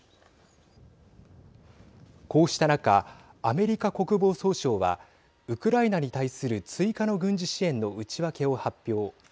こうした中、アメリカ国防総省はウクライナに対する追加の軍事支援の内訳を発表。